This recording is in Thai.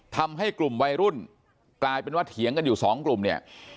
ทำให้กลุ่มวัยรุ่นกลายเป็นว่าเถียงกันอยู่สองกลุ่มเนี่ย